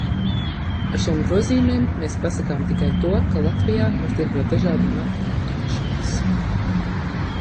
Ar šiem grozījumiem mēs pasakām tikai to, ka Latvijā var tirgot dažādu marku automašīnas.